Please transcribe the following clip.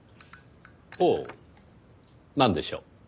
ほうなんでしょう？